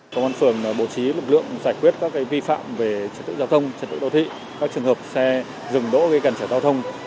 công an phường bố trí lực lượng giải quyết các vi phạm về trật tự giao thông trật tự đô thị các trường hợp xe dừng đỗ gây gần trở giao thông